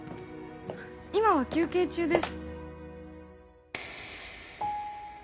今は休憩中です。